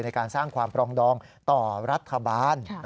ในการสร้างความปรองดองต่อรัฐบาล